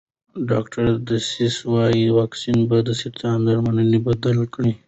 ډاکټر ډسیس وايي واکسین به د سرطان درملنه بدله کړي.